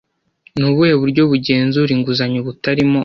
Ni ubuhe buryo bugenzura inguzanyo butarimo